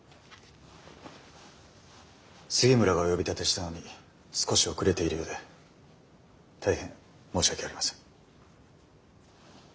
杉村がお呼び立てしたのに少し遅れているようで大変申し訳ありません。